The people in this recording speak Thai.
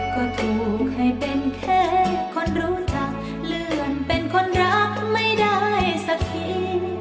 ก็ถูกให้เป็นแค่คนรู้จักเลื่อนเป็นคนรักไม่ได้สักที